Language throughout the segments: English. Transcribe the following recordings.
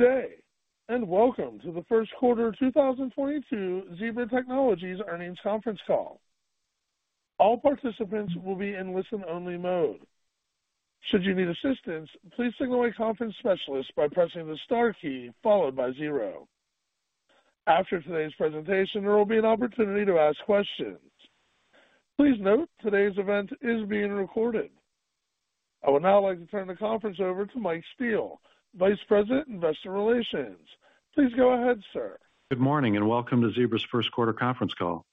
Good day, and welcome to the first quarter 2022 Zebra Technologies earnings conference call. All participants will be in listen only mode. Should you need assistance, please signal a conference specialist by pressing the star key followed by zero. After today's presentation, there will be an opportunity to ask questions. Please note today's event is being recorded. I would now like to turn the conference over to Michael Steele, Vice President, Investor Relations. Please go ahead, sir. Good morning and welcome to Zebra's first quarter conference call.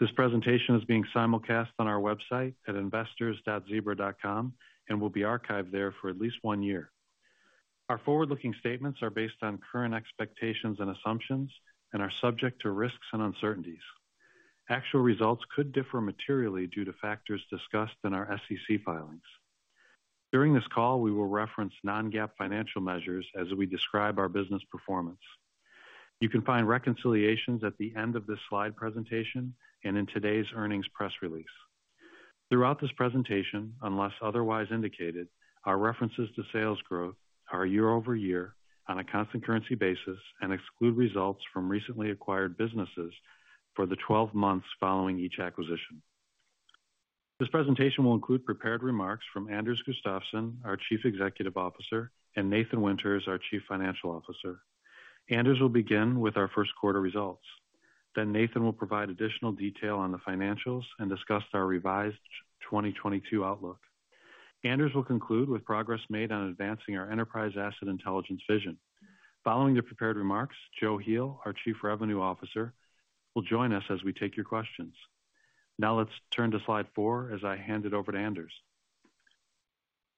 This presentation is being simulcast on our website at investors.zebra.com and will be archived there for at least one year. Our forward-looking statements are based on current expectations and assumptions and are subject to risks and uncertainties. Actual results could differ materially due to factors discussed in our SEC filings. During this call, we will reference non-GAAP financial measures as we describe our business performance. You can find reconciliations at the end of this slide presentation and in today's earnings press release. Throughout this presentation, unless otherwise indicated, our references to sales growth are year over year on a constant currency basis and exclude results from recently acquired businesses for the twelve months following each acquisition. This presentation will include prepared remarks from Anders Gustafsson, our Chief Executive Officer, and Nathan Winters, our Chief Financial Officer. Anders will begin with our first quarter results, then Nathan will provide additional detail on the financials and discuss our revised 2022 outlook. Anders will conclude with progress made on advancing our enterprise asset intelligence vision. Following the prepared remarks, Joe Heel, our Chief Revenue Officer, will join us as we take your questions. Now let's turn to slide four as I hand it over to Anders.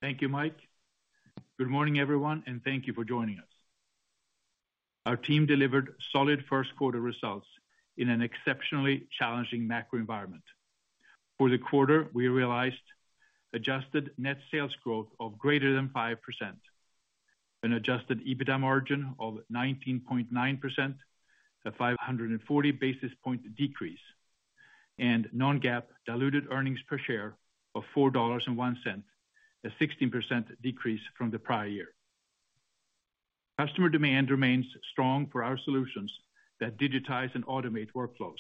Thank you, Mike. Good morning, everyone, and thank you for joining us. Our team delivered solid first quarter results in an exceptionally challenging macro environment. For the quarter, we realized adjusted net sales growth of greater than 5%, an adjusted EBITDA margin of 19.9%, a 540 basis point decrease, and non-GAAP diluted earnings per share of $4.01, a 16% decrease from the prior year. Customer demand remains strong for our solutions that digitize and automate workflows.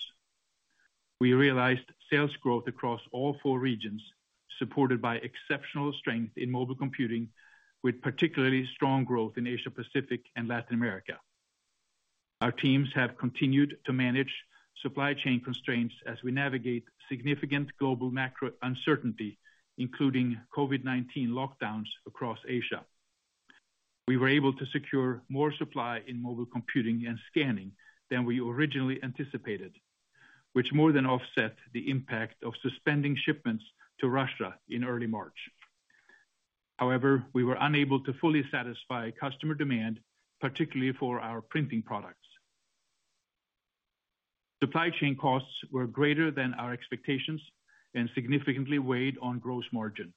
We realized sales growth across all four regions, supported by exceptional strength in mobile computing, with particularly strong growth in Asia Pacific and Latin America. Our teams have continued to manage supply chain constraints as we navigate significant global macro uncertainty, including COVID-19 lockdowns across Asia. We were able to secure more supply in mobile computing and scanning than we originally anticipated, which more than offset the impact of suspending shipments to Russia in early March. However, we were unable to fully satisfy customer demand, particularly for our printing products. Supply chain costs were greater than our expectations and significantly weighed on gross margin,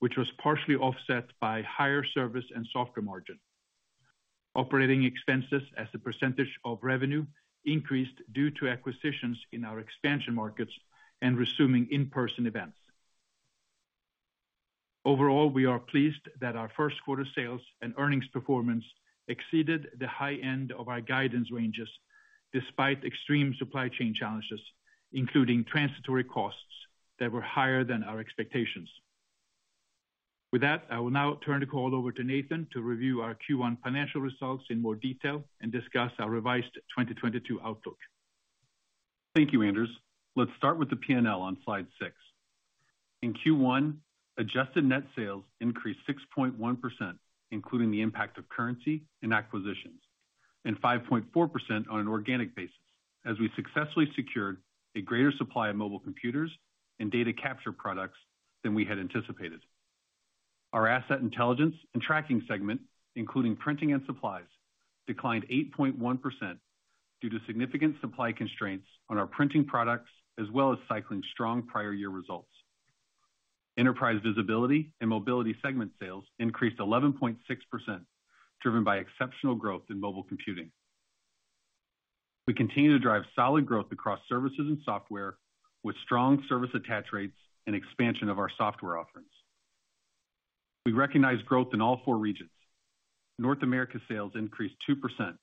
which was partially offset by higher service and software margin. Operating expenses as a percentage of revenue increased due to acquisitions in our expansion markets and resuming in-person events. Overall, we are pleased that our first quarter sales and earnings performance exceeded the high end of our guidance ranges despite extreme supply chain challenges, including transitory costs that were higher than our expectations. With that, I will now turn the call over to Nathan to review our Q1 financial results in more detail and discuss our revised 2022 outlook. Thank you, Anders. Let's start with the P&L on slide six. In Q1, adjusted net sales increased 6.1%, including the impact of currency and acquisitions, and 5.4% on an organic basis as we successfully secured a greater supply of mobile computers and data capture products than we had anticipated. Our Asset Intelligence and Tracking segment, including printing and supplies, declined 8.1% due to significant supply constraints on our printing products, as well as cycling strong prior year results. Enterprise Visibility and Mobility segment sales increased 11.6%, driven by exceptional growth in mobile computing. We continue to drive solid growth across services and software with strong service attach rates and expansion of our software offerings. We recognize growth in all four regions. North America sales increased 2%,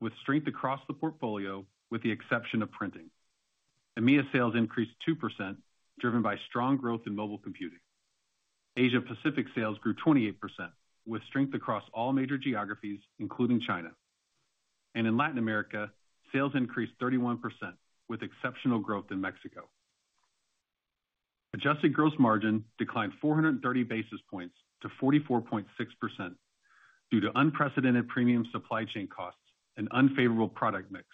with strength across the portfolio with the exception of printing. EMEA sales increased 2%, driven by strong growth in mobile computing. Asia Pacific sales grew 28%, with strength across all major geographies, including China. In Latin America, sales increased 31%, with exceptional growth in Mexico. Adjusted gross margin declined 430 basis points to 44.6% due to unprecedented premium supply chain costs and unfavorable product mix,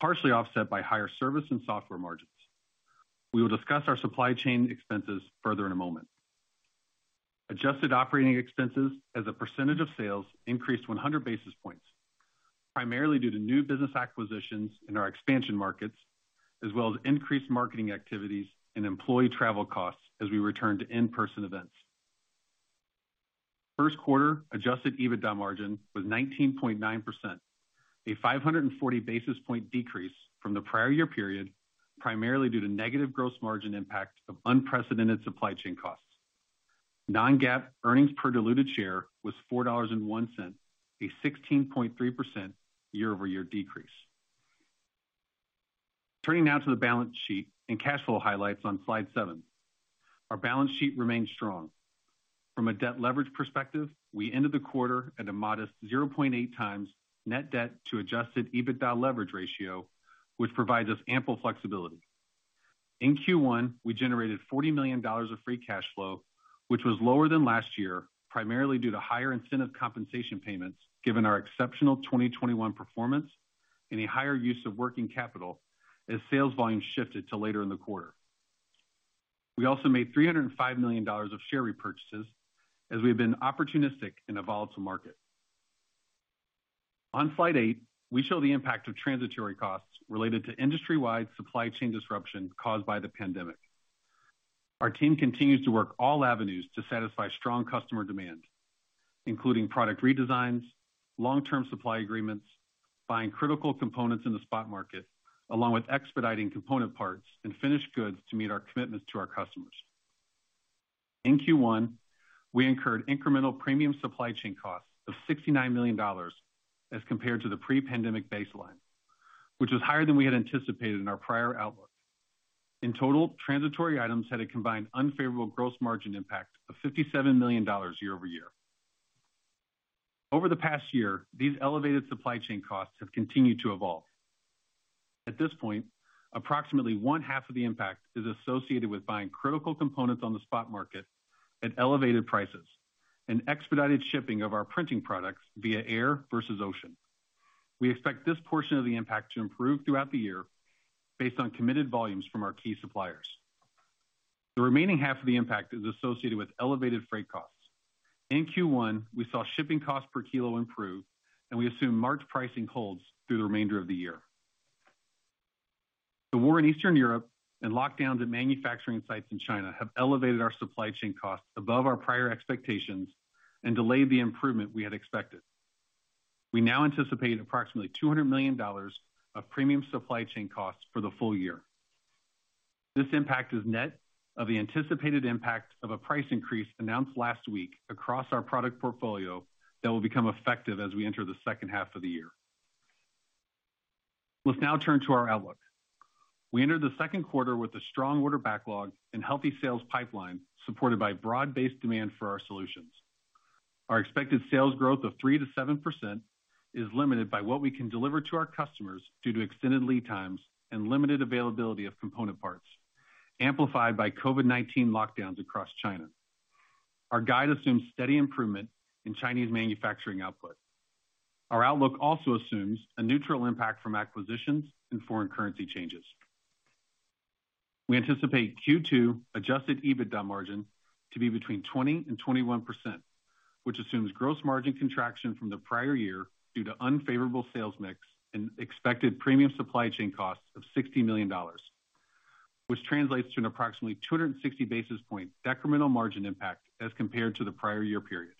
partially offset by higher service and software margins. We will discuss our supply chain expenses further in a moment. Adjusted operating expenses as a percentage of sales increased 100 basis points, primarily due to new business acquisitions in our expansion markets, as well as increased marketing activities and employee travel costs as we return to in-person events. First quarter adjusted EBITDA margin was 19.9%, a 540 basis point decrease from the prior year period, primarily due to negative gross margin impact of unprecedented supply chain costs. Non-GAAP earnings per diluted share was $4.01, a 16.3% year-over-year decrease. Turning now to the balance sheet and cash flow highlights on slide seven. Our balance sheet remains strong. From a debt leverage perspective, we ended the quarter at a modest 0.8x net debt to adjusted EBITDA leverage ratio, which provides us ample flexibility. In Q1, we generated $40 million of free cash flow, which was lower than last year, primarily due to higher incentive compensation payments given our exceptional 2021 performance and a higher use of working capital as sales volume shifted to later in the quarter. We made $305 million of share repurchases as we have been opportunistic in a volatile market. On slide eight, we show the impact of transitory costs related to industry-wide supply chain disruption caused by the pandemic. Our team continues to work all avenues to satisfy strong customer demand, including product redesigns, long-term supply agreements, buying critical components in the spot market, along with expediting component parts and finished goods to meet our commitments to our customers. In Q1, we incurred incremental premium supply chain costs of $69 million as compared to the pre-pandemic baseline, which was higher than we had anticipated in our prior outlook. In total, transitory items had a combined unfavorable gross margin impact of $57 million year-over-year. Over the past year, these elevated supply chain costs have continued to evolve. At this point, approximately one-half of the impact is associated with buying critical components on the spot market at elevated prices and expedited shipping of our printing products via air versus ocean. We expect this portion of the impact to improve throughout the year based on committed volumes from our key suppliers. The remaining half of the impact is associated with elevated freight costs. In Q1, we saw shipping costs per kilo improve, and we assume March pricing holds through the remainder of the year. The war in Eastern Europe and lockdowns at manufacturing sites in China have elevated our supply chain costs above our prior expectations and delayed the improvement we had expected. We now anticipate approximately $200 million of premium supply chain costs for the full year. This impact is net of the anticipated impact of a price increase announced last week across our product portfolio that will become effective as we enter the second half of the year. Let's now turn to our outlook. We entered the second quarter with a strong order backlog and healthy sales pipeline, supported by broad-based demand for our solutions. Our expected sales growth of 3%-7% is limited by what we can deliver to our customers due to extended lead times and limited availability of component parts, amplified by COVID-19 lockdowns across China. Our guide assumes steady improvement in Chinese manufacturing output. Our outlook also assumes a neutral impact from acquisitions and foreign currency changes. We anticipate Q2 adjusted EBITDA margin to be between 20% and 21%, which assumes gross margin contraction from the prior year due to unfavorable sales mix and expected premium supply chain costs of $60 million, which translates to an approximately 260 basis points incremental margin impact as compared to the prior year period.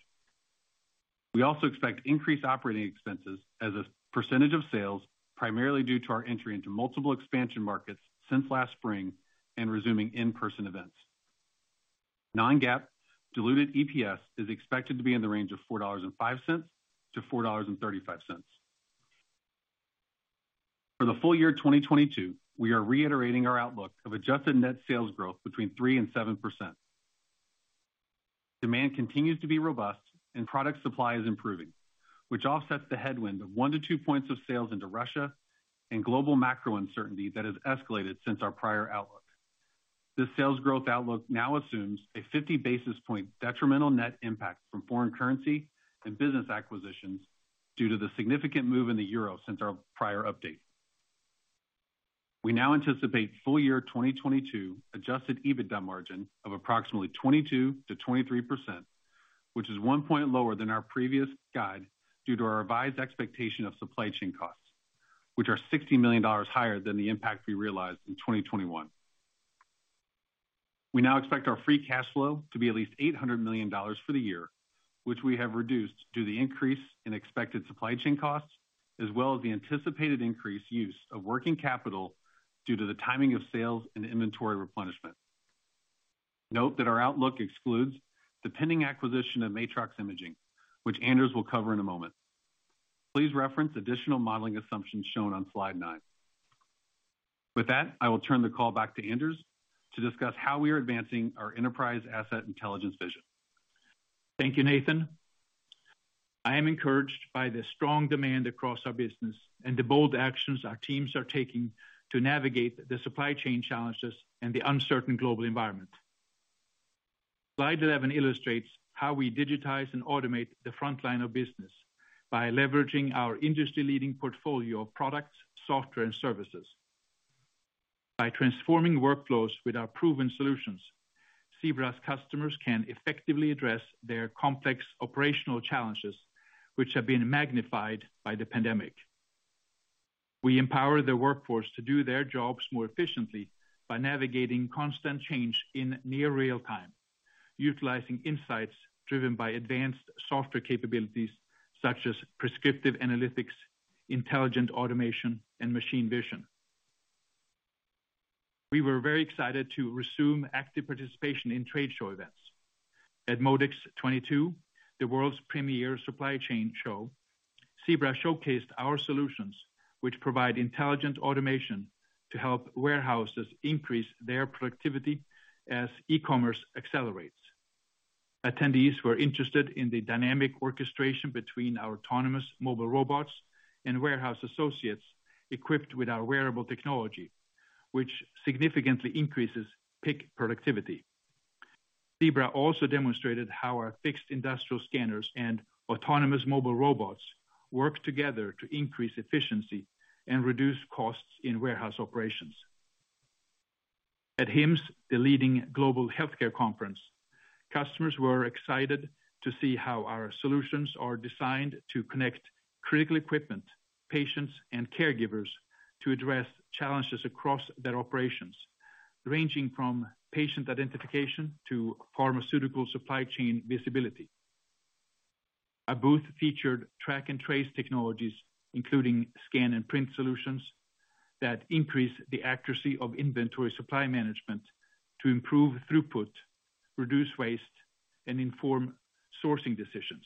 We also expect increased operating expenses as a percentage of sales, primarily due to our entry into multiple expansion markets since last spring and resuming in-person events. Non-GAAP diluted EPS is expected to be in the range of $4.05-$4.35. For the full year 2022, we are reiterating our outlook of adjusted net sales growth between 3% and 7%. Demand continues to be robust and product supply is improving, which offsets the headwind of one to two points of sales into Russia and global macro uncertainty that has escalated since our prior outlook. This sales growth outlook now assumes a 50 basis point detrimental net impact from foreign currency and business acquisitions due to the significant move in the euro since our prior update. We now anticipate full-year 2022 adjusted EBITDA margin of approximately 22%-23%, which is one point lower than our previous guide due to our revised expectation of supply chain costs, which are $60 million higher than the impact we realized in 2021. We now expect our free cash flow to be at least $800 million for the year, which we have reduced due to the increase in expected supply chain costs as well as the anticipated increased use of working capital due to the timing of sales and inventory replenishment. Note that our outlook excludes the pending acquisition of Matrox Imaging, which Anders will cover in a moment. Please reference additional modeling assumptions shown on slide nine. With that, I will turn the call back to Anders to discuss how we are advancing our enterprise asset intelligence vision. Thank you, Nathan. I am encouraged by the strong demand across our business and the bold actions our teams are taking to navigate the supply chain challenges and the uncertain global environment. Slide 11 illustrates how we digitize and automate the front line of business by leveraging our industry leading portfolio of products, software, and services. By transforming workflows with our proven solutions, Zebra's customers can effectively address their complex operational challenges, which have been magnified by the pandemic. We empower the workforce to do their jobs more efficiently by navigating constant change in near real time, utilizing insights driven by advanced software capabilities such as prescriptive analytics, intelligent automation, and machine vision. We were very excited to resume active participation in trade show events. At MODEX 2022, the world's premier supply chain show, Zebra showcased our solutions which provide intelligent automation to help warehouses increase their productivity as e-commerce accelerates. Attendees were interested in the dynamic orchestration between our autonomous mobile robots and warehouse associates equipped with our wearable technology, which significantly increases pick productivity. Zebra also demonstrated how our fixed industrial scanners and autonomous mobile robots work together to increase efficiency and reduce costs in warehouse operations. At HIMSS, the leading global healthcare conference, customers were excited to see how our solutions are designed to connect critical equipment, patients, and caregivers to address challenges across their operations, ranging from patient identification to pharmaceutical supply chain visibility. Our booth featured track and trace technologies, including scan and print solutions, that increase the accuracy of inventory supply management to improve throughput, reduce waste, and inform sourcing decisions.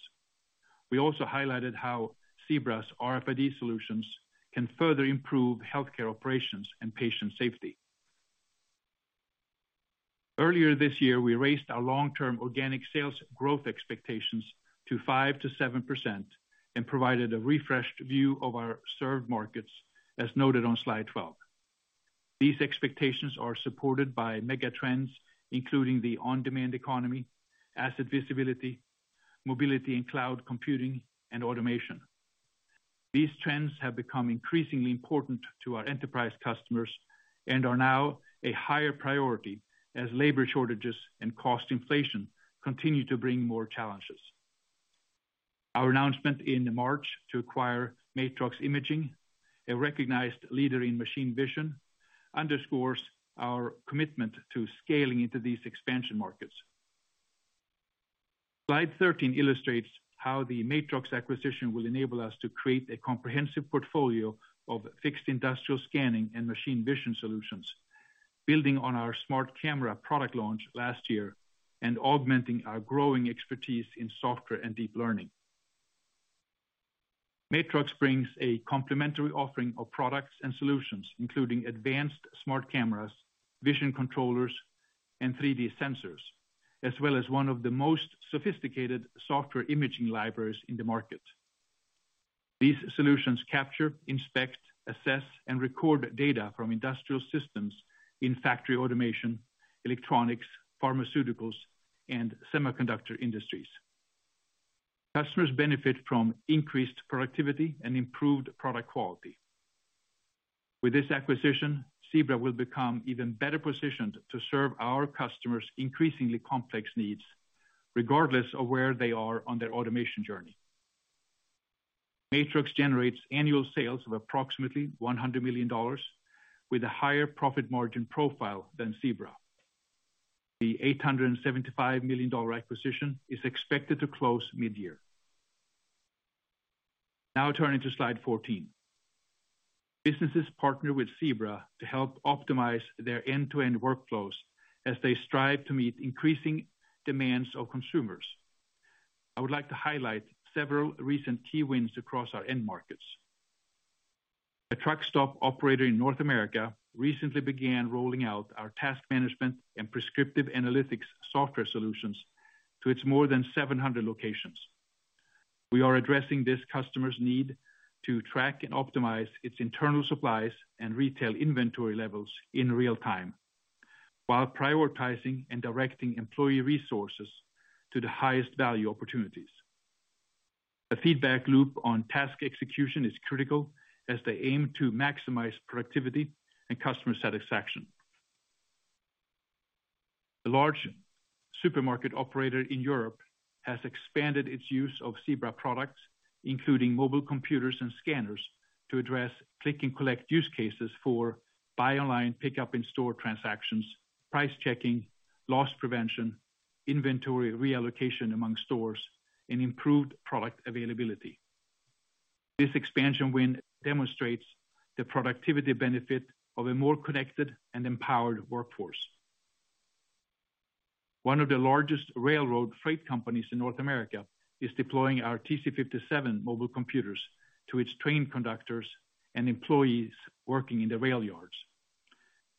We also highlighted how Zebra's RFID solutions can further improve healthcare operations and patient safety. Earlier this year, we raised our long-term organic sales growth expectations to 5%-7% and provided a refreshed view of our served markets as noted on slide 12. These expectations are supported by mega trends, including the on-demand economy, asset visibility, mobility and cloud computing, and automation. These trends have become increasingly important to our enterprise customers and are now a higher priority as labor shortages and cost inflation continue to bring more challenges. Our announcement in March to acquire Matrox Imaging, a recognized leader in machine vision, underscores our commitment to scaling into these expansion markets. Slide 13 illustrates how the Matrox acquisition will enable us to create a comprehensive portfolio of fixed industrial scanning and machine vision solutions, building on our smart camera product launch last year and augmenting our growing expertise in software and deep learning. Matrox brings a complementary offering of products and solutions, including advanced smart cameras, vision controllers, and 3D sensors, as well as one of the most sophisticated software imaging libraries in the market. These solutions capture, inspect, assess, and record data from industrial systems in factory automation, electronics, pharmaceuticals, and semiconductor industries. Customers benefit from increased productivity and improved product quality. With this acquisition, Zebra will become even better positioned to serve our customers' increasingly complex needs regardless of where they are on their automation journey. Matrox generates annual sales of approximately $100 million with a higher profit margin profile than Zebra. The $875 million acquisition is expected to close mid-year. Now turning to slide 14. Businesses partner with Zebra to help optimize their end-to-end workflows as they strive to meet increasing demands of consumers. I would like to highlight several recent key wins across our end markets. A truck stop operator in North America recently began rolling out our task management and prescriptive analytics software solutions to its more than 700 locations. We are addressing this customer's need to track and optimize its internal supplies and retail inventory levels in real time, while prioritizing and directing employee resources to the highest value opportunities. A feedback loop on task execution is critical as they aim to maximize productivity and customer satisfaction. A large supermarket operator in Europe has expanded its use of Zebra products, including mobile computers and scanners, to address click and collect use cases for buy online pickup in-store transactions, price checking, loss prevention, inventory reallocation among stores, and improved product availability. This expansion win demonstrates the productivity benefit of a more connected and empowered workforce. One of the largest railroad freight companies in North America is deploying our TC57 mobile computers to its train conductors and employees working in the rail yards.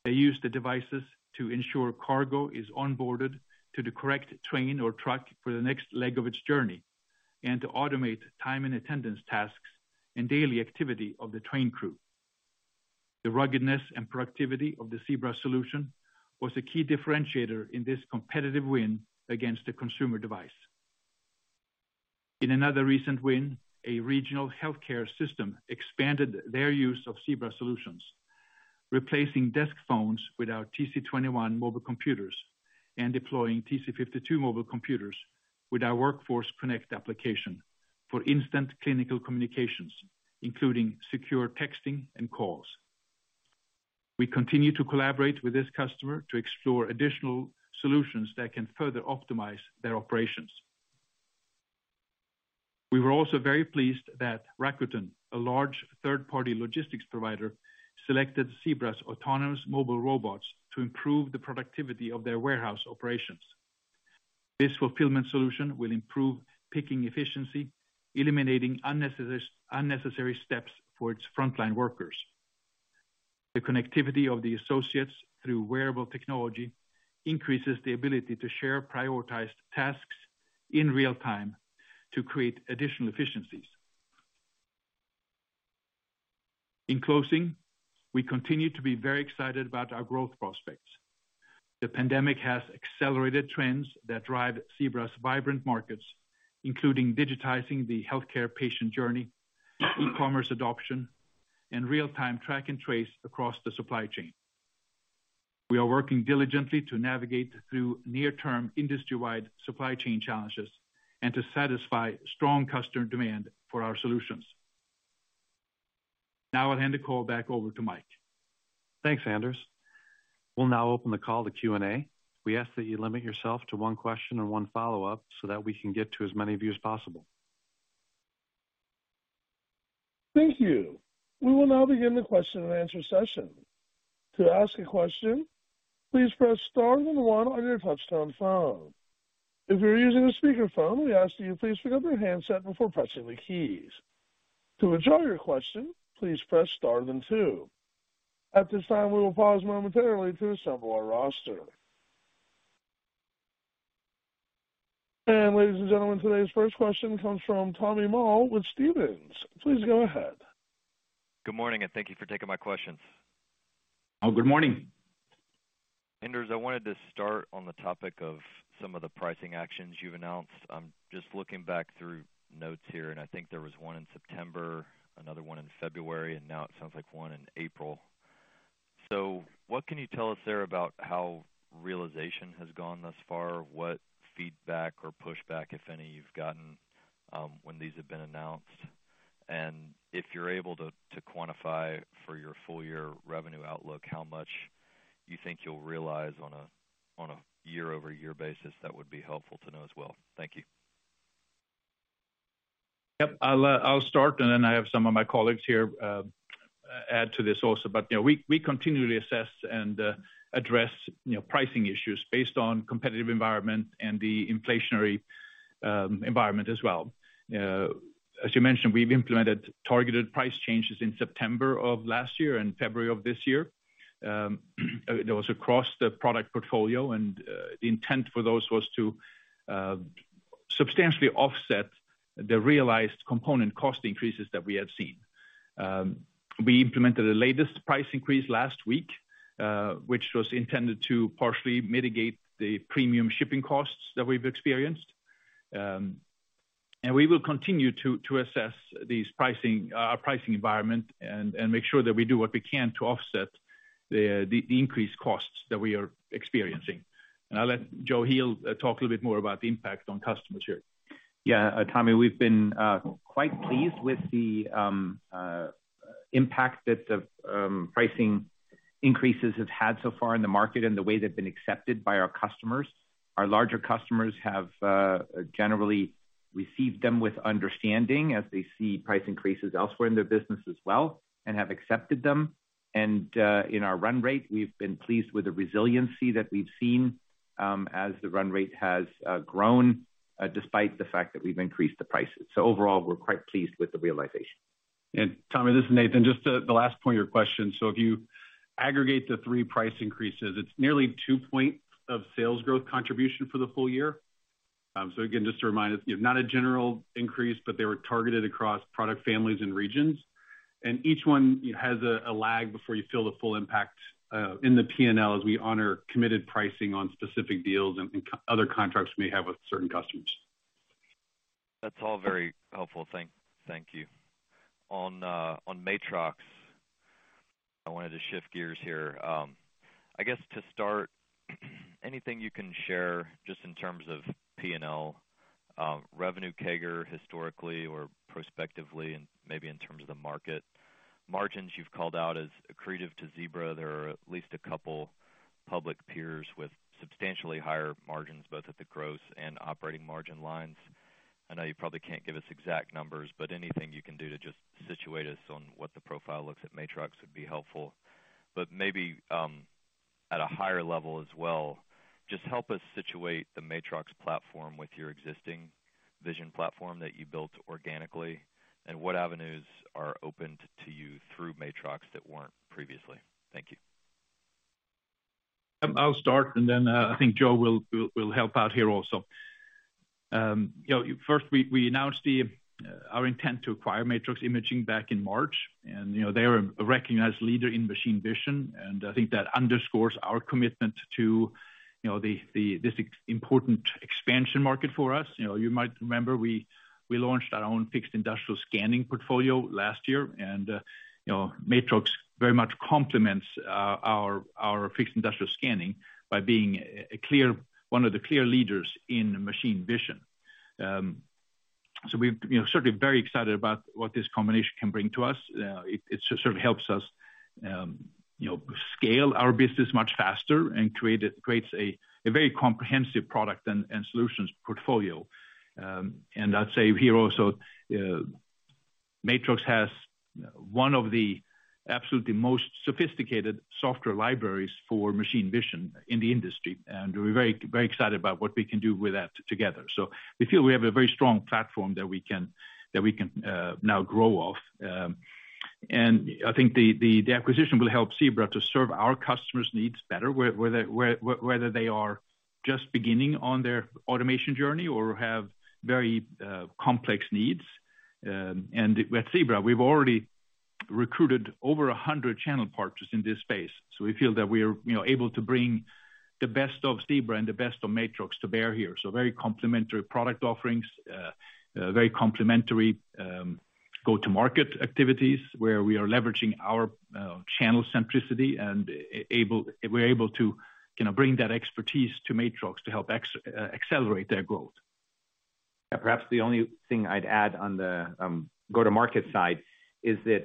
They use the devices to ensure cargo is onboarded to the correct train or truck for the next leg of its journey, and to automate time and attendance tasks and daily activity of the train crew. The ruggedness and productivity of the Zebra solution was a key differentiator in this competitive win against the consumer device. In another recent win, a regional healthcare system expanded their use of Zebra solutions, replacing desk phones with our TC21 mobile computers and deploying TC52 mobile computers with our Workforce Connect application for instant clinical communications, including secure texting and calls. We continue to collaborate with this customer to explore additional solutions that can further optimize their operations. We were also very pleased that Rakuten, a large third party logistics provider, selected Zebra's autonomous mobile robots to improve the productivity of their warehouse operations. This fulfillment solution will improve picking efficiency, eliminating unnecessary steps for its frontline workers. The connectivity of the associates through wearable technology increases the ability to share prioritized tasks in real time to create additional efficiencies. In closing, we continue to be very excited about our growth prospects. The pandemic has accelerated trends that drive Zebra's vibrant markets, including digitizing the healthcare patient journey, e-commerce adoption, and real-time track and trace across the supply chain. We are working diligently to navigate through near-term industry-wide supply chain challenges and to satisfy strong customer demand for our solutions. Now I'll hand the call back over to Mike. Thanks, Anders. We'll now open the call to Q&A. We ask that you limit yourself to one question or one follow-up so that we can get to as many of you as possible. Thank you. We will now begin the question and answer session. To ask a question, please press star then one on your touchtone phone. If you're using a speaker phone, we ask that you please pick up your handset before pressing the keys. To withdraw your question, please press star then two. At this time, we will pause momentarily to assemble our roster. Ladies and gentlemen, today's first question comes from Tommy Moll with Stephens. Please go ahead. Good morning, and thank you for taking my questions. Oh, good morning. Anders, I wanted to start on the topic of some of the pricing actions you've announced. I'm just looking back through notes here, and I think there was one in September, another one in February, and now it sounds like one in April. What can you tell us there about how realization has gone thus far? What feedback or pushback, if any, you've gotten, when these have been announced? If you're able to quantify for your full year revenue outlook, how much you think you'll realize on a year-over-year basis, that would be helpful to know as well. Thank you. I'll start and then I have some of my colleagues here add to this also. You know, we continually assess and address pricing issues based on competitive environment and the inflationary environment as well. As you mentioned, we've implemented targeted price changes in September of last year and February of this year. That was across the product portfolio, and the intent for those was to substantially offset the realized component cost increases that we have seen. We implemented the latest price increase last week, which was intended to partially mitigate the premium shipping costs that we've experienced. We will continue to assess our pricing environment and make sure that we do what we can to offset the increased costs that we are experiencing. I'll let Joe Heel talk a little bit more about the impact on customers here. Yeah. Tommy, we've been quite pleased with the impact that the pricing increases have had so far in the market and the way they've been accepted by our customers. Our larger customers have generally received them with understanding as they see price increases elsewhere in their business as well and have accepted them. In our run rate, we've been pleased with the resiliency that we've seen as the run rate has grown despite the fact that we've increased the prices. Overall, we're quite pleased with the realization. Tommy, this is Nathan, just the last point of your question. If you aggregate the three price increases, it's nearly two points of sales growth contribution for the full year. Again, just to remind us, not a general increase, but they were targeted across product families and regions. Each one has a lag before you feel the full impact in the P&L as we honor committed pricing on specific deals and other contracts we have with certain customers. That's all very helpful. Thank you. On Matrox, I wanted to shift gears here. I guess to start, anything you can share just in terms of P&L, revenue CAGR historically or prospectively, and maybe in terms of the market. Margins you've called out as accretive to Zebra. There are at least a couple public peers with substantially higher margins, both at the gross and operating margin lines. I know you probably can't give us exact numbers, but anything you can do to just situate us on what the profile looks like at Matrox would be helpful. But maybe at a higher level as well, just help us situate the Matrox platform with your existing vision platform that you built organically, and what avenues are opened to you through Matrox that weren't previously. Thank you. I'll start, and then I think Joe will help out here also. You know, first we announced our intent to acquire Matrox Imaging back in March. You know, they're a recognized leader in machine vision, and I think that underscores our commitment to this important expansion market for us. You know, you might remember, we launched our own fixed industrial scanning portfolio last year. You know, Matrox very much complements our fixed industrial scanning by being one of the clear leaders in machine vision. We're, you know, certainly very excited about what this combination can bring to us. It certainly helps us scale our business much faster and creates a very comprehensive product and solutions portfolio. I'd say here also, Matrox has one of the absolutely most sophisticated software libraries for machine vision in the industry, and we're very, very excited about what we can do with that together. We feel we have a very strong platform that we can now grow off. I think the acquisition will help Zebra to serve our customers' needs better, whether they are just beginning on their automation journey or have very complex needs. With Zebra, we've already recruited over a hundred channel partners in this space. We feel that we're, you know, able to bring the best of Zebra and the best of Matrox to bear here. Very complementary product offerings, very complementary go-to-market activities where we are leveraging our channel centricity and able to, you know, bring that expertise to Matrox to help accelerate their growth. Yeah, perhaps the only thing I'd add on the go-to-market side is that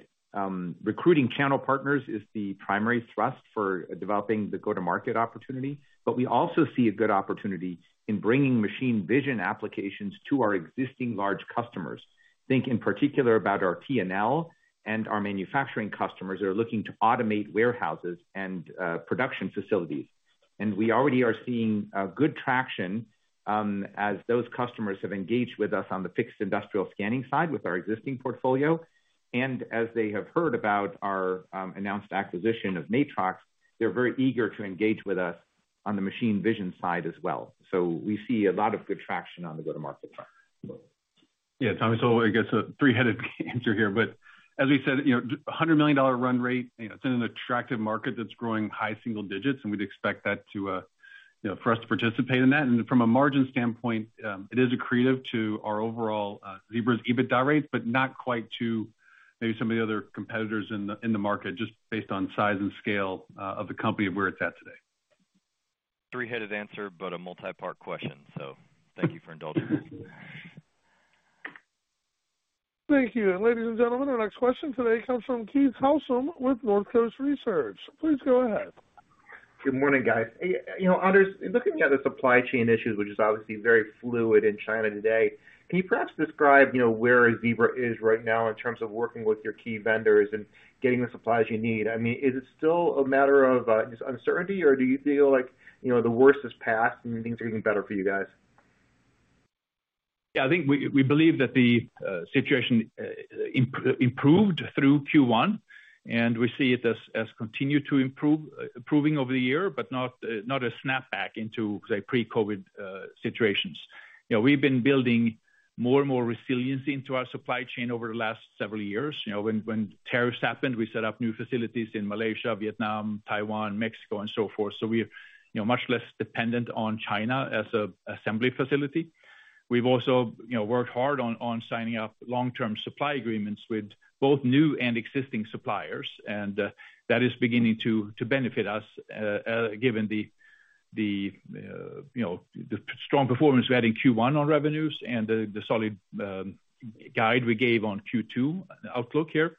recruiting channel partners is the primary thrust for developing the go-to-market opportunity. We also see a good opportunity in bringing machine vision applications to our existing large customers. Think in particular about our T&L and our manufacturing customers that are looking to automate warehouses and production facilities. We already are seeing good traction as those customers have engaged with us on the fixed industrial scanning side with our existing portfolio. As they have heard about our announced acquisition of Matrox, they're very eager to engage with us on the machine vision side as well. We see a lot of good traction on the go-to-market front. Yeah, Tommy, so I guess a three-headed answer here. As we said, you know, $100 million run rate, you know, it's in an attractive market that's growing high single digits, and we'd expect that to, you know, for us to participate in that. From a margin standpoint, it is accretive to our overall, Zebra's EBITDA rate, but not quite to maybe some of the other competitors in the market, just based on size and scale of the company and where it's at today. Three-headed answer, but a multi-part question. Thank you for indulging. Thank you. Ladies and gentlemen, our next question today comes from Keith Housum with Northcoast Research. Please go ahead. Good morning, guys. You know, Anders, looking at the supply chain issues, which is obviously very fluid in China today, can you perhaps describe, you know, where Zebra is right now in terms of working with your key vendors and getting the supplies you need? I mean, is it still a matter of just uncertainty, or do you feel like, you know, the worst is past and things are getting better for you guys? Yeah, I think we believe that the situation improved through Q1, and we see it continuing to improve over the year, but not a snapback into, say, pre-COVID situations. You know, we've been building more and more resiliency into our supply chain over the last several years. You know, when tariffs happened, we set up new facilities in Malaysia, Vietnam, Taiwan, Mexico, and so forth. So we're much less dependent on China as an assembly facility. We've also worked hard on signing up long-term supply agreements with both new and existing suppliers, and that is beginning to benefit us given the strong performance we had in Q1 on revenues and the solid guide we gave on Q2 outlook here.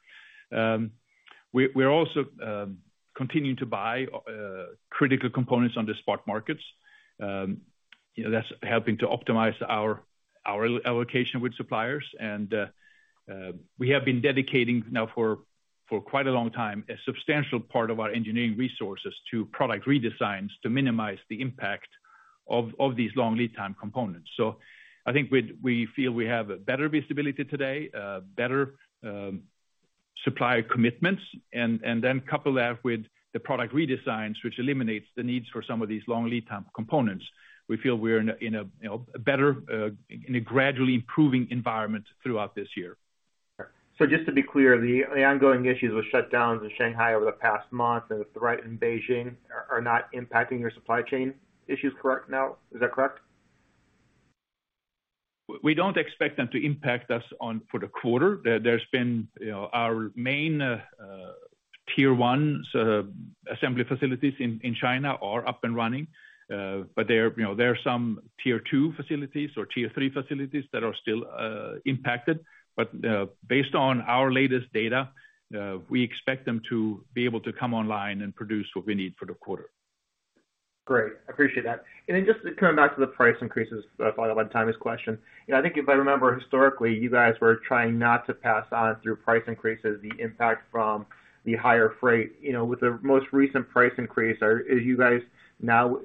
We're also continuing to buy critical components on the spot markets, you know, that's helping to optimize our allocation with suppliers. We have been dedicating now for quite a long time a substantial part of our engineering resources to product redesigns to minimize the impact of these long lead time components. I think we feel we have better visibility today, better supplier commitments, and then couple that with the product redesigns, which eliminates the needs for some of these long lead time components. We feel we're in a you know a better in a gradually improving environment throughout this year. Just to be clear, the ongoing issues with shutdowns in Shanghai over the past month and the threat in Beijing are not impacting your supply chain, is that correct now? Is that correct? We don't expect them to impact us going forward for the quarter. There's been, you know, our main tier one assembly facilities in China are up and running. You know, there are some tier two facilities or tier three facilities that are still impacted. Based on our latest data, we expect them to be able to come online and produce what we need for the quarter. Great. I appreciate that. Just coming back to the price increases, I follow up on Tommy's question. You know, I think if I remember historically, you guys were trying not to pass on through price increases the impact from the higher freight. You know, with the most recent price increase, is you guys now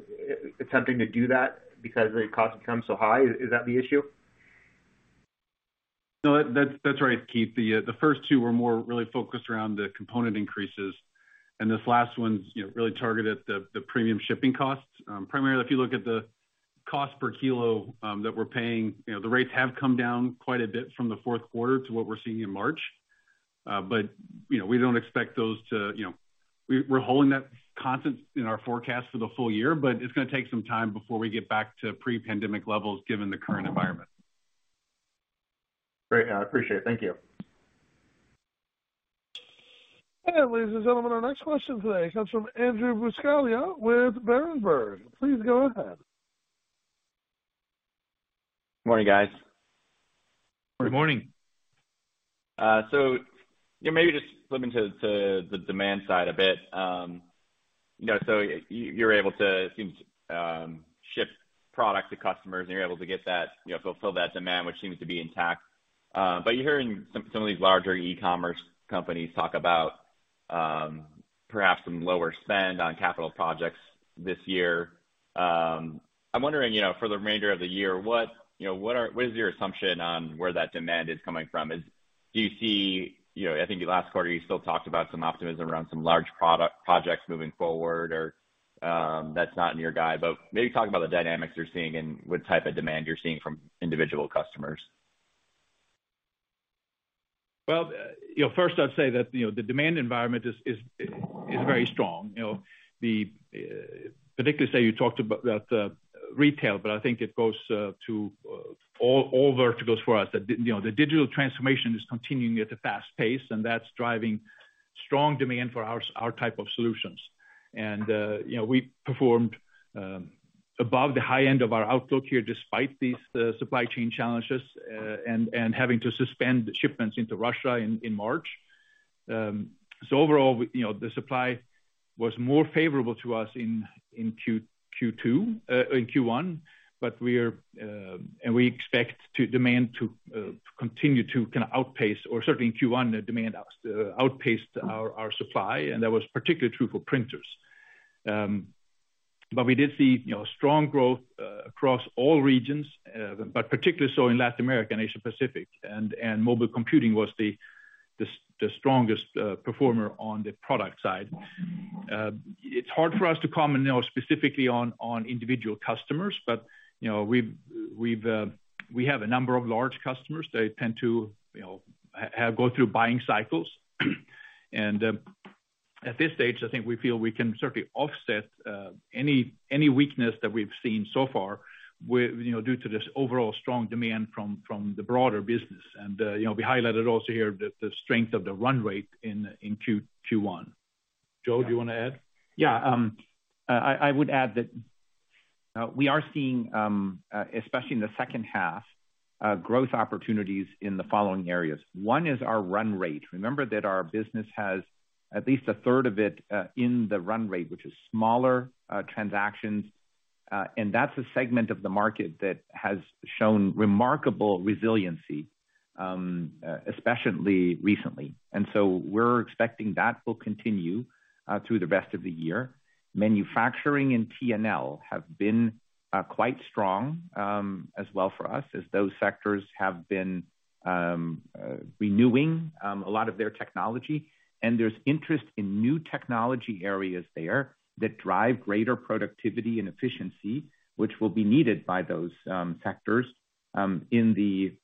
attempting to do that because the cost become so high? Is that the issue? No, that's right, Keith. The first two were more really focused around the component increases, and this last one's really targeted the premium shipping costs. Primarily, if you look at the cost per kilo that we're paying, the rates have come down quite a bit from the fourth quarter to what we're seeing in March. We don't expect those to. We're holding that constant in our forecast for the full year, but it's gonna take some time before we get back to pre-pandemic levels given the current environment. Great. I appreciate it. Thank you. Ladies and gentlemen, our next question today comes from Andrew Buscaglia with Berenberg. Please go ahead. Morning, guys. Good morning. Yeah, maybe just flipping to the demand side a bit. You know, you're able to, it seems, ship product to customers, and you're able to get that, you know, fulfill that demand, which seems to be intact. You're hearing some of these larger e-commerce companies talk about perhaps some lower spend on capital projects this year. I'm wondering, you know, for the remainder of the year, what is your assumption on where that demand is coming from? Do you see, you know, I think last quarter you still talked about some optimism around some large product projects moving forward or that's not in your guide, but maybe talk about the dynamics you're seeing and what type of demand you're seeing from individual customers. Well, you know, first I'd say that, you know, the demand environment is very strong. You know, particularly say you talked about the retail, but I think it goes to all verticals for us. That, you know, the digital transformation is continuing at a fast pace, and that's driving strong demand for our type of solutions. You know, we performed above the high end of our outlook here, despite these supply chain challenges and having to suspend shipments into Russia in March. Overall, you know, the supply was more favorable to us in Q1, but we expect the demand to continue to kind of outpace or certainly in Q1, the demand outpaced our supply, and that was particularly true for printers. We did see, you know, strong growth across all regions, but particularly so in Latin America and Asia Pacific, and mobile computing was the strongest performer on the product side. It's hard for us to comment, you know, specifically on individual customers, but, you know, we have a number of large customers. They tend to, you know, have to go through buying cycles. At this stage, I think we feel we can certainly offset any weakness that we've seen so far with, you know, due to this overall strong demand from the broader business. You know, we highlighted also here the strength of the run rate in Q1. Joe, do you want to add? Yeah. I would add that we are seeing, especially in the second half, growth opportunities in the following areas. One is our run rate. Remember that our business has at least a third of it in the run rate, which is smaller transactions. That's a segment of the market that has shown remarkable resiliency, especially recently. We're expecting that will continue through the rest of the year. Manufacturing and T&L have been quite strong as well for us as those sectors have been renewing a lot of their technology. There's interest in new technology areas there that drive greater productivity and efficiency, which will be needed by those sectors in the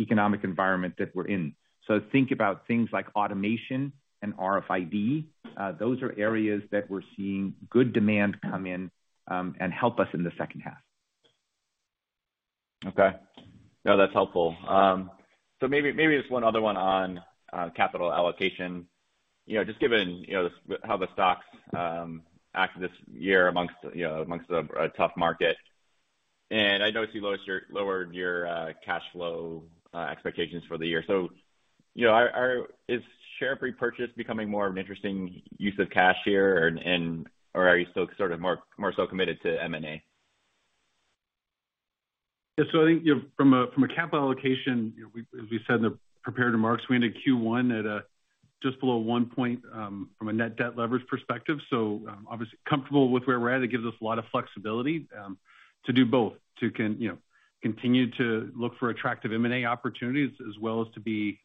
economic environment that we're in. Think about things like automation and RFID. Those are areas that we're seeing good demand come in, and help us in the second half. Okay. No, that's helpful. Maybe just one other one on capital allocation. You know, just given, you know, how the stocks act this year amongst a tough market. I noticed you lowered your cash flow expectations for the year. You know, is share repurchase becoming more of an interesting use of cash here and, or are you still sort of more so committed to M&A? Yeah. I think, you know, from a capital allocation, you know, we, as we said in the prepared remarks, we ended Q1 at just below one point from a net debt leverage perspective. Obviously comfortable with where we're at. It gives us a lot of flexibility to do both. To continue to look for attractive M&A opportunities as well as to be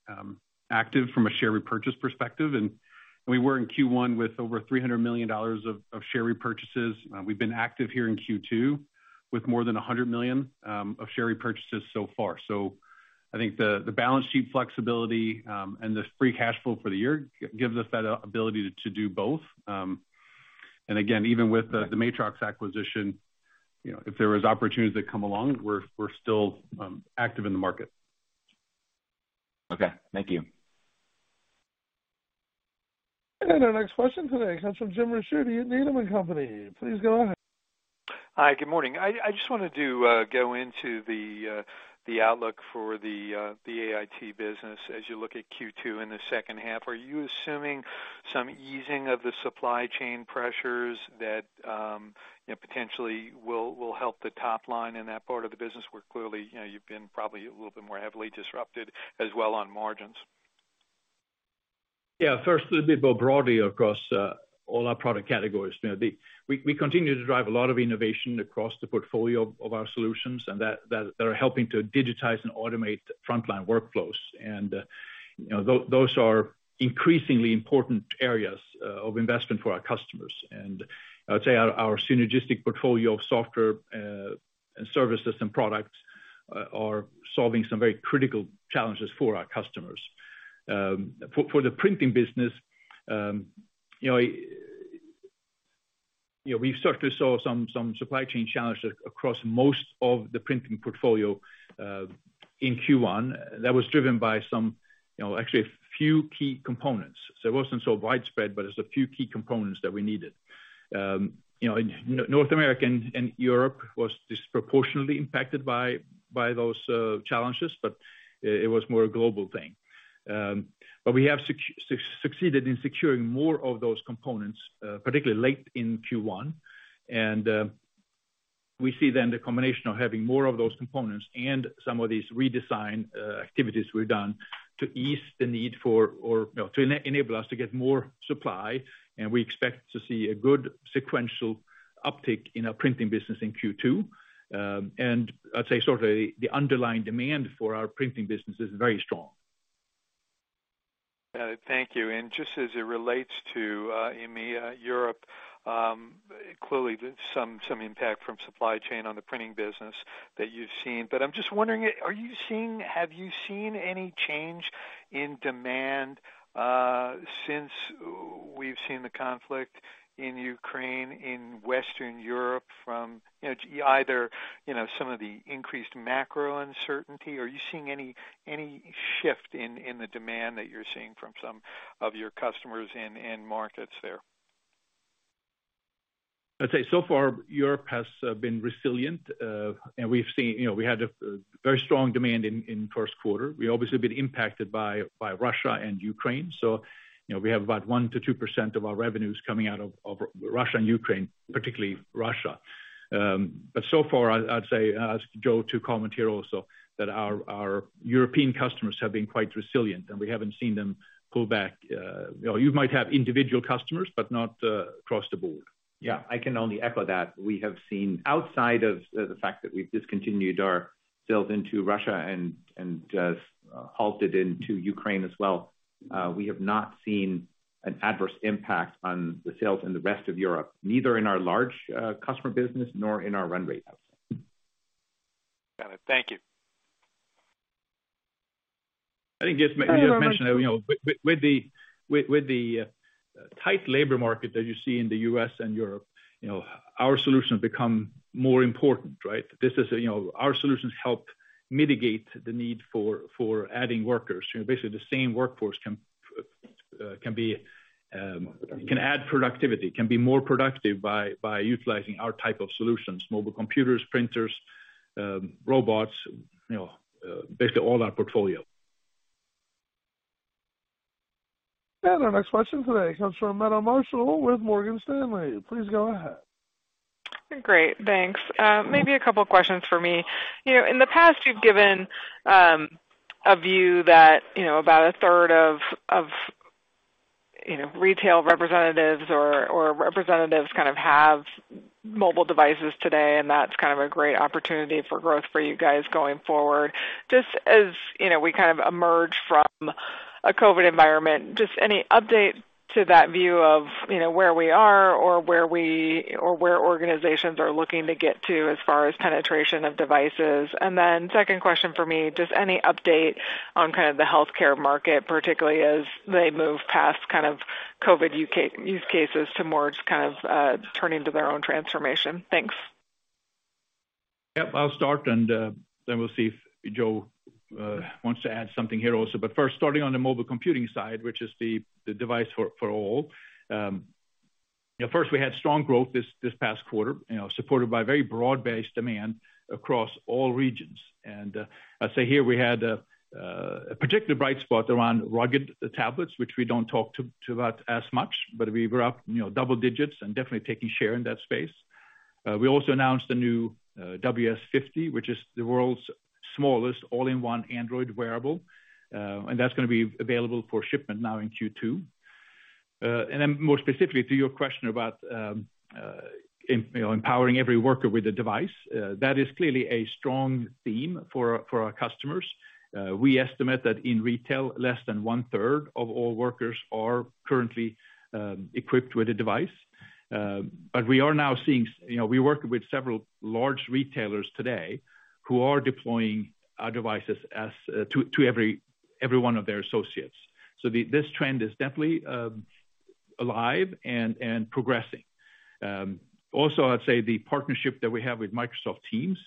active from a share repurchase perspective. We were in Q1 with over $300 million of share repurchases. We've been active here in Q2 with more than $100 million of share repurchases so far. I think the balance sheet flexibility and the free cash flow for the year gives us that ability to do both. Again, even with the Matrox acquisition, you know, if there was opportunities that come along, we're still active in the market. Okay. Thank you. Our next question today comes from James Ricchiuti at Needham & Company. Please go ahead. Hi. Good morning. I just wanted to go into the outlook for the AIT business as you look at Q2 in the second half. Are you assuming some easing of the supply chain pressures that you know potentially will help the top line in that part of the business where clearly you know you've been probably a little bit more heavily disrupted as well on margins? Yeah. First, a little bit more broadly across all our product categories. You know, we continue to drive a lot of innovation across the portfolio of our solutions and that are helping to digitize and automate frontline workflows. You know, those are increasingly important areas of investment for our customers. I would say our synergistic portfolio of software and services and products are solving some very critical challenges for our customers. For the printing business, you know, we certainly saw some supply chain challenges across most of the printing portfolio in Q1. That was driven by some, you know, actually a few key components. It wasn't so widespread, but it's a few key components that we needed. North America and Europe was disproportionately impacted by those challenges, but it was more a global thing. We have succeeded in securing more of those components, particularly late in Q1. We see then the combination of having more of those components and some of these redesign activities we've done to enable us to get more supply, and we expect to see a good sequential uptick in our printing business in Q2. I'd say sort of the underlying demand for our printing business is very strong. Thank you. Just as it relates to EMEA, Europe, clearly there's some impact from supply chain on the printing business that you've seen. I'm just wondering, have you seen any change in demand since we've seen the conflict in Ukraine, in Western Europe from, you know, either, you know, some of the increased macro uncertainty? Are you seeing any shift in the demand that you're seeing from some of your customers in markets there? I'd say so far, Europe has been resilient. We've seen you know, we had a very strong demand in first quarter. We obviously have been impacted by Russia and Ukraine. You know, we have about 1%-2% of our revenues coming out of Russia and Ukraine, particularly Russia. So far, I'd say, ask Joe to comment here also that our European customers have been quite resilient, and we haven't seen them pull back. You know, you might have individual customers, but not across the board. Yeah. I can only echo that. We have seen outside of the fact that we've discontinued our sales into Russia and halted into Ukraine as well, we have not seen an adverse impact on the sales in the rest of Europe, neither in our large customer business nor in our run rate. Got it. Thank you. I think, just may I mention, you know, with the tight labor market that you see in the US and Europe, you know, our solutions become more important, right? Our solutions help mitigate the need for adding workers. You know, basically the same workforce can add productivity, can be more productive by utilizing our type of solutions, mobile computers, printers, robots, you know, basically all our portfolio. Our next question today comes from Meta Marshall with Morgan Stanley. Please go ahead. Great. Thanks. Maybe a couple questions for me. You know, in the past, you've given a view that, you know, about a third of retail representatives or representatives kind of have mobile devices today, and that's kind of a great opportunity for growth for you guys going forward. Just as, you know, we kind of emerge from a COVID environment, just any update to that view of, you know, where we are or where organizations are looking to get to as far as penetration of devices. Then second question for me, just any update on kind of the healthcare market, particularly as they move past kind of COVID use cases to more just kind of turning to their own transformation. Thanks. Yep, I'll start, and then we'll see if Joe wants to add something here also. First, starting on the mobile computing side, which is the device for all. At first, we had strong growth this past quarter, you know, supported by very broad-based demand across all regions. I'd say here we had a particular bright spot around rugged tablets, which we don't talk to about as much, but we were up, you know, double digits and definitely taking share in that space. We also announced the new WS50, which is the world's smallest all-in-one Android wearable, and that's gonna be available for shipment now in Q2. More specifically to your question about, you know, empowering every worker with a device, that is clearly a strong theme for our customers. We estimate that in retail, less than 1/3 of all workers are currently equipped with a device. But we are now seeing you know, we work with several large retailers today who are deploying our devices to every one of their associates. This trend is definitely alive and progressing. Also, I'd say the partnership that we have with Microsoft Teams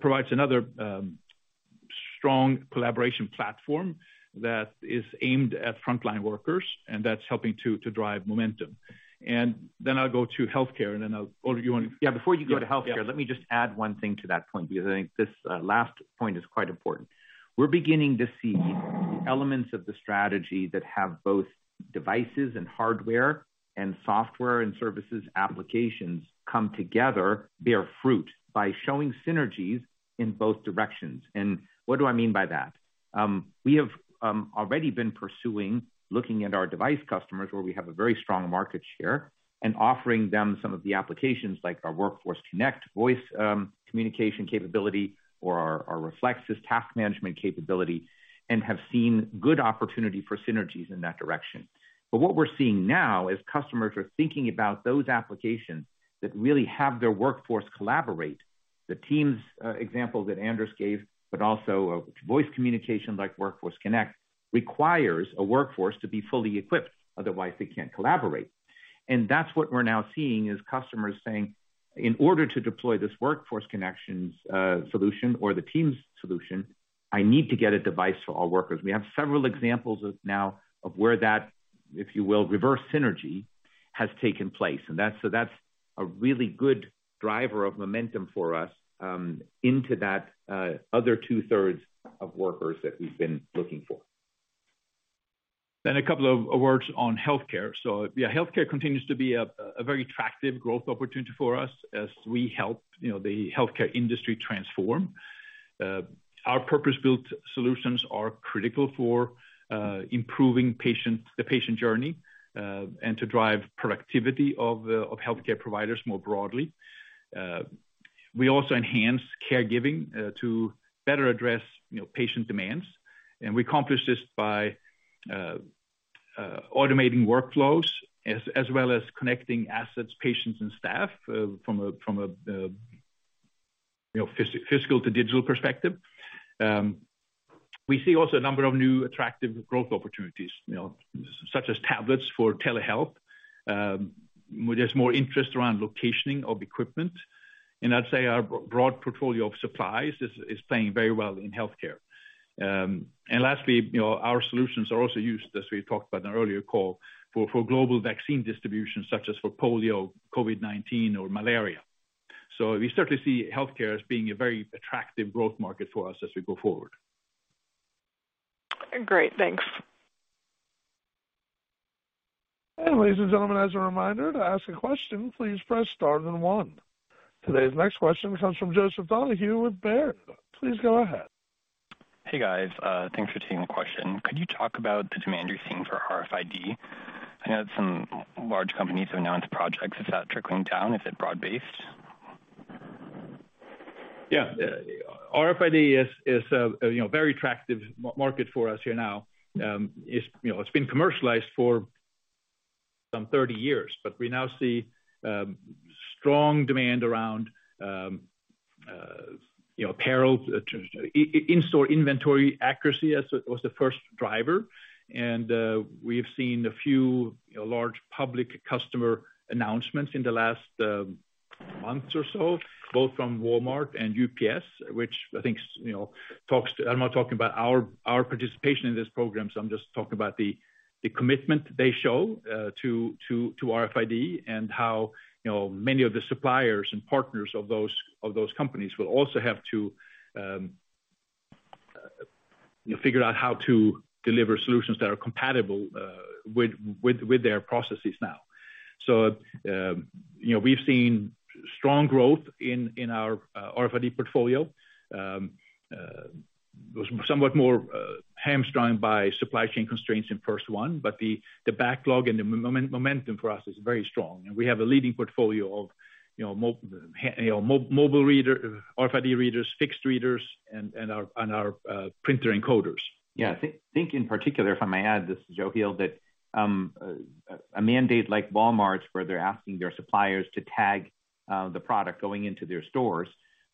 provides another strong collaboration platform that is aimed at frontline workers, and that's helping to drive momentum. I'll go to healthcare, or you want to- Yeah, before you go to healthcare, let me just add one thing to that point, because I think this last point is quite important. We're beginning to see elements of the strategy that have both devices and hardware and software and services applications come together bear fruit by showing synergies in both directions. What do I mean by that? We have already been pursuing looking at our device customers where we have a very strong market share and offering them some of the applications like our Workforce Connect voice communication capability or our Reflexis task management capability, and have seen good opportunity for synergies in that direction. What we're seeing now is customers are thinking about those applications that really have their workforce collaborate. The Teams example that Anders gave, but also a voice communication like Workforce Connect requires a workforce to be fully equipped, otherwise they can't collaborate. That's what we're now seeing is customers saying, "In order to deploy this Workforce Connect solution or the Teams solution, I need to get a device for all workers." We have several examples now of where that, if you will, reverse synergy has taken place. That's a really good driver of momentum for us into that other two-thirds of workers that we've been looking for. A couple of words on healthcare. Yeah, healthcare continues to be a very attractive growth opportunity for us as we help, you know, the healthcare industry transform. Our purpose-built solutions are critical for improving the patient journey and to drive productivity of healthcare providers more broadly. We also enhance caregiving to better address, you know, patient demands. We accomplish this by automating workflows as well as connecting assets, patients, and staff from a physical to digital perspective. We see also a number of new attractive growth opportunities, you know, such as tablets for telehealth. There's more interest around locationing of equipment. I'd say our broad portfolio of supplies is playing very well in healthcare. Lastly, you know, our solutions are also used, as we talked about in our earlier call, for global vaccine distribution, such as for polio, COVID-19, or malaria. We certainly see healthcare as being a very attractive growth market for us as we go forward. Great. Thanks. Ladies and gentlemen, as a reminder, to ask a question, please press star then one. Today's next question comes from Joseph Giordano with Baird. Please go ahead. Hey, guys. Thanks for taking the question. Could you talk about the demand you're seeing for RFID? I know that some large companies have announced projects. Is that trickling down? Is it broad-based? Yeah. RFID is a you know very attractive market for us here now. It's you know been commercialized for some 30 years. We now see strong demand around you know apparel to in-store inventory accuracy as was the first driver. We have seen a few you know large public customer announcements in the last months or so both from Walmart and UPS which I think is you know talks to. I'm not talking about our participation in this program. I'm just talking about the commitment they show to RFID and how you know many of the suppliers and partners of those companies will also have to you know figure out how to deliver solutions that are compatible with their processes now. You know, we've seen strong growth in our RFID portfolio. It was somewhat more hamstrung by supply chain constraints in first half, but the backlog and the momentum for us is very strong. We have a leading portfolio of mobile reader, RFID readers, fixed readers, and our printer encoders. Yeah. Think in particular, if I may add, this is Joe Heel, that a mandate like Walmart's, where they're asking their suppliers to tag the product going into their stores,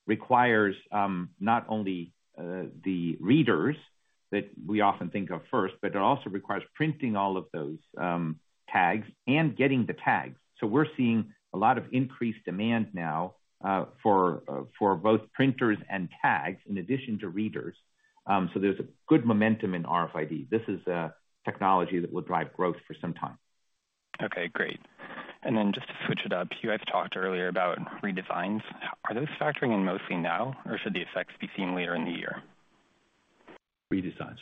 requires not only the readers that we often think of first, but it also requires printing all of those tags and getting the tags. We're seeing a lot of increased demand now for both printers and tags in addition to readers. There's a good momentum in RFID. This is a technology that will drive growth for some time. Okay. Great. Just to switch it up, you guys talked earlier about redesigns. Are those factoring in mostly now, or should the effects be seen later in the year? Redesigns.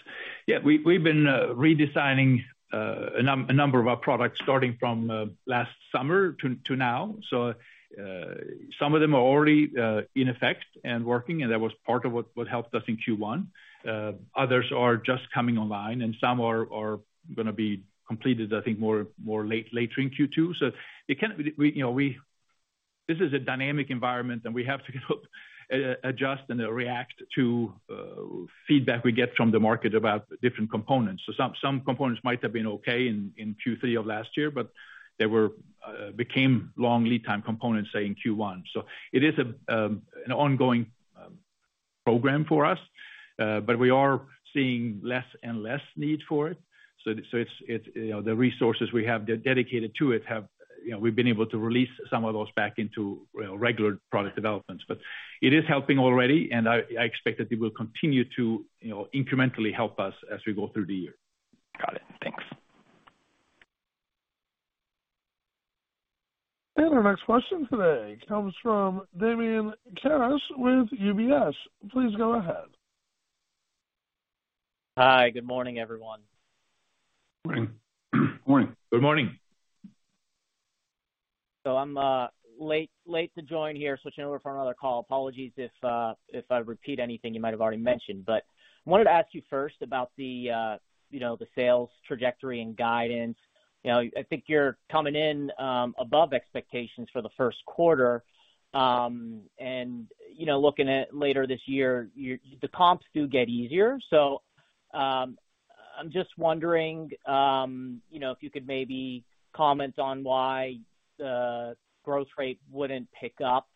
Yeah. We've been redesigning a number of our products starting from last summer to now. Some of them are already in effect and working, and that was part of what helped us in Q1. Others are just coming online, and some are gonna be completed, I think, later in Q2. You know, this is a dynamic environment, and we have to adjust and react to feedback we get from the market about different components. Some components might have been okay in Q3 of last year, but they became long lead time components, say, in Q1. It is an ongoing program for us, but we are seeing less and less need for it. It's, you know, the resources we have that are dedicated to it have, you know, we've been able to release some of those back into, you know, regular product developments. It is helping already, and I expect that it will continue to, you know, incrementally help us as we go through the year. Got it. Thanks. Our next question today comes from Damian Karas with UBS. Please go ahead. Hi. Good morning, everyone. Morning. Morning. Good morning. I'm late to join here, switching over from another call. Apologies if I repeat anything you might have already mentioned. I wanted to ask you first about the you know, the sales trajectory and guidance. You know, I think you're coming in above expectations for the first quarter. You know, looking at later this year, the comps do get easier. I'm just wondering you know, if you could maybe comment on why the growth rate wouldn't pick up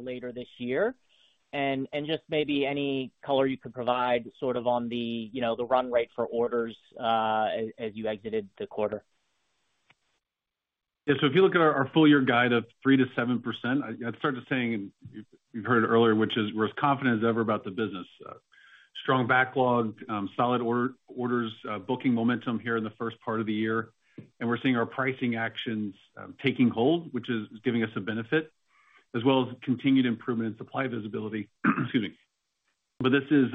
later this year. Just maybe any color you could provide sort of on the you know, the run rate for orders, as you exited the quarter. Yeah. If you look at our full year guide of 3%-7%, I started saying, and you've heard it earlier, which is we're as confident as ever about the business. Strong backlog, solid orders, booking momentum here in the first part of the year. We're seeing our pricing actions taking hold, which is giving us a benefit, as well as continued improvement in supply visibility. Excuse me. This is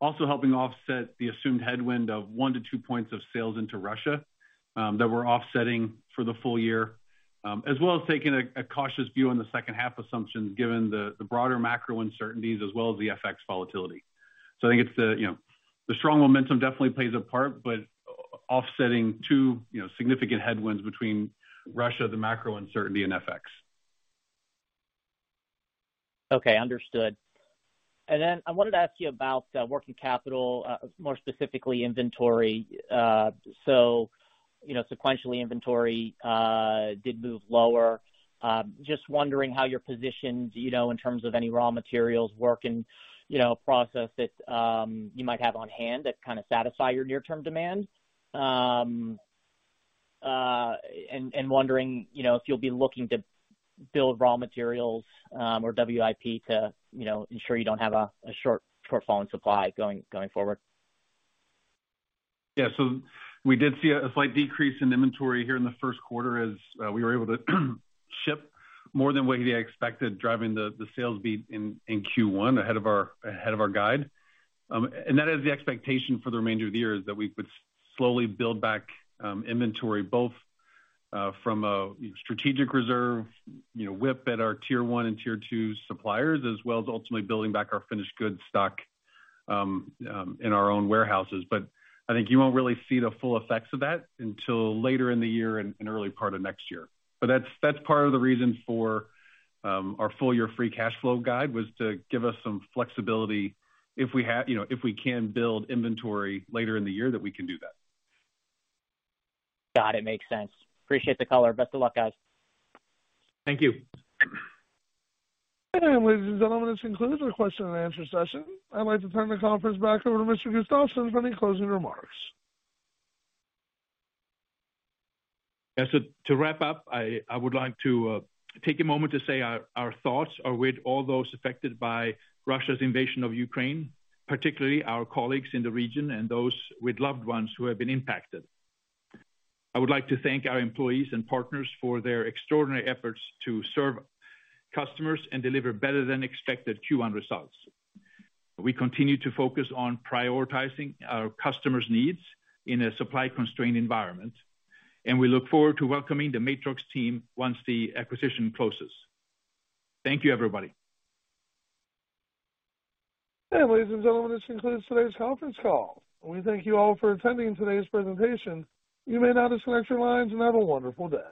also helping offset the assumed headwind of one to two points of sales into Russia that we're offsetting for the full year, as well as taking a cautious view on the second half assumptions given the broader macro uncertainties as well as the FX volatility. I think it's the, you know, the strong momentum definitely plays a part, but offsetting too, you know, significant headwinds between Russia, the macro uncertainty and FX. Okay, understood. I wanted to ask you about working capital, more specifically inventory. You know, sequentially, inventory did move lower. Just wondering how you're positioned, you know, in terms of any raw materials, work in process that you might have on hand that kind of satisfy your near-term demand. Wondering, you know, if you'll be looking to build raw materials or WIP to, you know, ensure you don't have a shortfall in supply going forward. Yeah. We did see a slight decrease in inventory here in the first quarter as we were able to ship more than what we had expected, driving the sales beat in Q1 ahead of our guide. That is the expectation for the remainder of the year, is that we would slowly build back inventory both from a strategic reserve, you know, WIP at our Tier 1 and Tier 2 suppliers, as well as ultimately building back our finished goods stock in our own warehouses. I think you won't really see the full effects of that until later in the year and early part of next year. That's part of the reason for our full year free cash flow guide, was to give us some flexibility if we have. You know, if we can build inventory later in the year, that we can do that. Got it. Makes sense. Appreciate the call. Best of luck, guys. Thank you. Ladies and gentlemen, this concludes the question and answer session. I'd like to turn the conference back over to Mr. Gustafson for any closing remarks. Yeah. To wrap up, I would like to take a moment to say our thoughts are with all those affected by Russia's invasion of Ukraine, particularly our colleagues in the region and those with loved ones who have been impacted. I would like to thank our employees and partners for their extraordinary efforts to serve customers and deliver better than expected Q1 results. We continue to focus on prioritizing our customers' needs in a supply constrained environment, and we look forward to welcoming the Matrox team once the acquisition closes. Thank you, everybody. Ladies and gentlemen, this concludes today's conference call. We thank you all for attending today's presentation. You may now disconnect your lines and have a wonderful day.